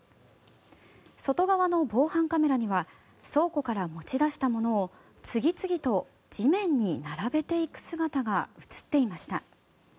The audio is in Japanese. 外側の防犯カメラには倉庫から持ち出したものを次々と地面に並べていく姿が映っていました。